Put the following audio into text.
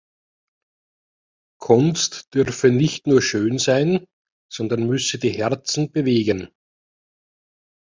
Kunst dürfe nicht nur schön sein, sondern müsse die Herzen bewegen.